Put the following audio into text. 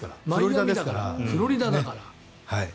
フロリダだから。